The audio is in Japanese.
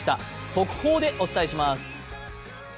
速報でお伝えします。